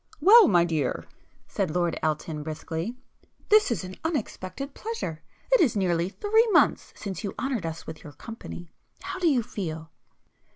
"Well, my dear"—said Lord Elton briskly, "This is an unexpected pleasure! It is nearly three months since you honoured us with your company. How do you feel?"